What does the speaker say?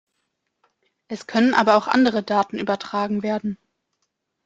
Es können aber auch andere Daten übertragen werden.